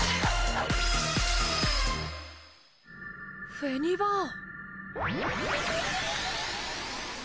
フェニバーン